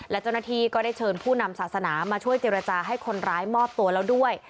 และเจ้าหน้าที่ก็ได้เชิญผู้นำศาสนามาช่วยเจรจาให้คนร้ายมอบตัวแล้วด้วย